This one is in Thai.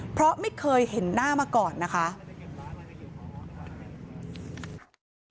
เพราะไม่เคยเห็นหน้ามาก่อนนะคะ